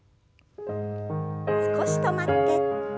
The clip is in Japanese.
少し止まって。